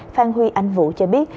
phan huy anh vũ cho biết